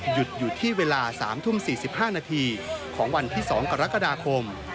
หยุดอยู่ที่เวลา๓ทุ่ม๔๕นาทีของวันที่๒กรกฎาคม